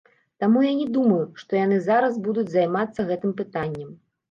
Таму я не думаю, што яны зараз будуць займацца гэтым пытаннем.